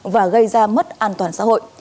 và gây ra mất an toàn xã hội